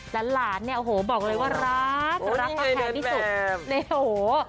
แล้วหลานเนี้ยโอ้โหบอกเลยว่ารักโอ้นี่ไงเดินแบบเนี้ยโอ้โห